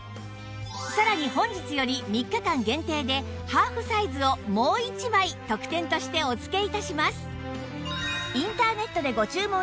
さらに本日より３日間限定でハーフサイズをもう１枚特典としてお付け致します